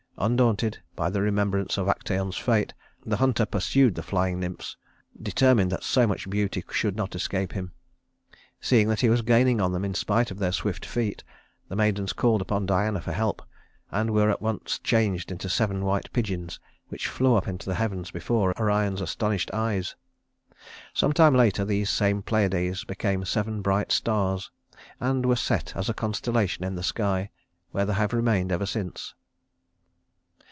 Undaunted by the remembrance of Actæon's fate, the hunter pursued the flying nymphs, determined that so much beauty should not escape him. Seeing that he was gaining on them in spite of their swift feet, the maidens called upon Diana for help, and were at once changed into seven white pigeons which flew up into the heavens before Orion's astonished eyes. Sometime later these same Pleiades became seven bright stars, and were set as a constellation in the sky, where they have remained ever since.